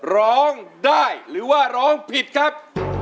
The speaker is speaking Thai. ร้องได้หรือว่าร้องผิดครับ